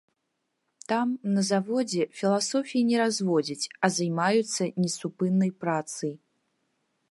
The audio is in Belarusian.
Там, на заводзе, філасофіі не разводзяць, а займаюцца несупыннай працай.